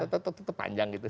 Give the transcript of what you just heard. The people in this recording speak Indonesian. tetap panjang gitu